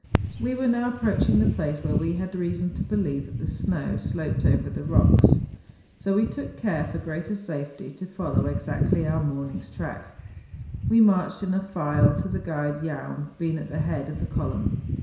We were now approaching the place where we had reason to believe that the snow sloped over the rocks. So we took care, for greater safety, to follow exactly our morning's track. We marched in a file, the guide Jaun being at the head of the column.